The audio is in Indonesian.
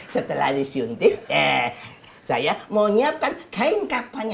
setelah disuntik saya mau nyiapkan kain kapannya